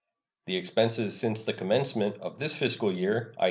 The expenses since the commencement of this fiscal year i.